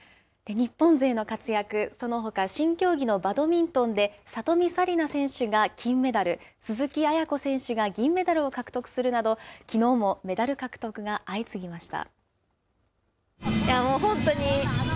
日本勢の活躍、そのほか新競技のバドミントンで里見紗李奈選手が金メダル、鈴木亜弥子選手が銀メダルを獲得するなど、きのうもメダル獲得が相次ぎました。